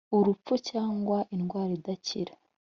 urupfu cyangwa indwara idakira